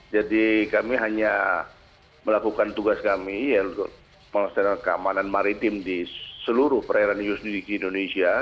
jadi kami hanya melakukan tugas kami yang untuk melaksanakan keamanan maritim di seluruh perairan indonesia